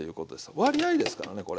割合ですからねこれ。